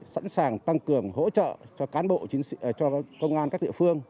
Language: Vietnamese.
sẵn sàng tăng cường hỗ trợ cho cán bộ cho công an các địa phương